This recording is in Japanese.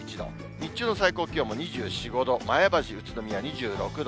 日中の最高気温も２４、５度、前橋、宇都宮２６度。